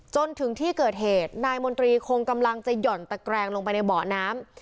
จนถึงที่เกิดเหตุนายมนตรีคงกำลังจะหย่อนตะแกรงลงไปในเบาะน้ำ